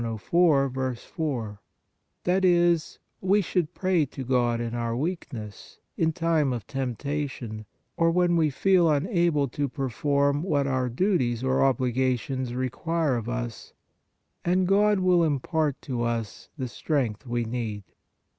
4) ; that is, we should pray to God in our weakness, in time of temptation, or when we feel unable to perform what our duties or obligations require of us, and God will impart to us the strength we need.